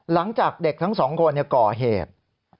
หลังจากเด็กทั้งสองคนก่อเหตุ